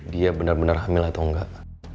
dia bener bener hamil atau enggak